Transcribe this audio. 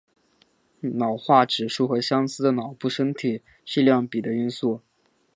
脑化指数和相似的脑部身体质量比的因素。